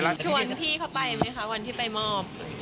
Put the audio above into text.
ชวนพี่เขาไปไหมคะวันที่ไปมอบ